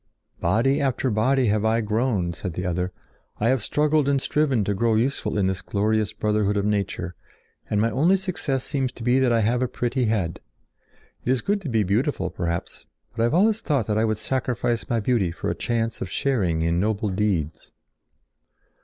"Body after body have I grown," said the other. "I have struggled and striven to grow useful in this glorious brotherhood of nature, and my only success seems to be that I have a pretty head. It is good to be beautiful, perhaps, but I have always thought that I would sacrifice my beauty for a chance of sharing in noble deeds."